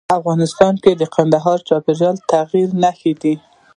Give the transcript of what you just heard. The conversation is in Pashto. افغانستان کې کندهار د چاپېریال د تغیر نښه ده.